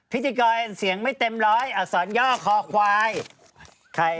พิธีกรเสียงไม่เต็มร้อยอักษรย่อคอควาย